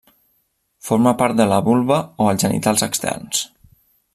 Forma part de la vulva o els genitals externs.